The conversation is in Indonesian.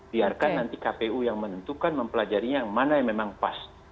biarkan nanti kpu yang menentukan mempelajarinya yang mana yang memang pas